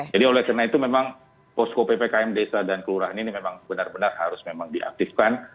jadi oleh karena itu memang posko ppkm desa dan kelurahan ini memang benar benar harus diaktifkan